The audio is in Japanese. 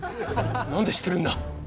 何で知ってるんだ？